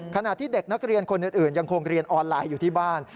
ขณะที่เด็กนักเรียนคนอื่นยังคงเรียนออนไลน์อยู่ที่บ้าน